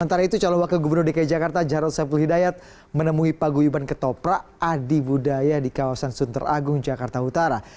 sementara itu calon wakil gubernur dki jakarta jarod saiful hidayat menemui paguyuban ketoprak adi budaya di kawasan sunter agung jakarta utara